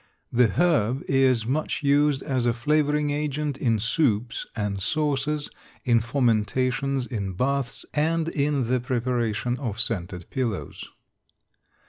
The herb is much used as a flavoring agent in soups and sauces, in fomentations, in baths and in the preparation of scented pillows.